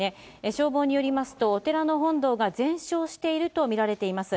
消防によりますと、お寺の本堂が全焼していると見られています。